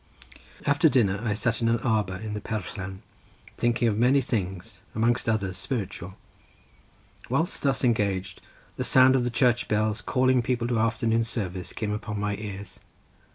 After dinner I sat in an arbour in the perllan thinking of many things, amongst others, spiritual. Whilst thus engaged the sound of the church bells calling people to afternoon service, came upon my ears.